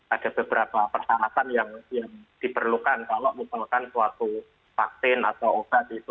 ada beberapa persyaratan yang diperlukan kalau misalkan suatu vaksin atau obat itu